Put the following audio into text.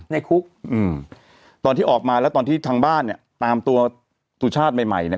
ในคุกอืมตอนที่ออกมาแล้วตอนที่ทางบ้านเนี่ยตามตัวสุชาติใหม่ใหม่เนี่ย